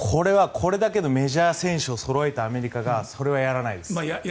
これだけのメジャー選手をそろえたアメリカがそれはやらないです。